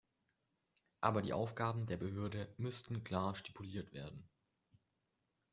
Aber die Aufgaben der Behörde müssten klar stipuliert werden.